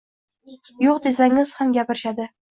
“Yo‘q”, desangiz ham gapirishadi.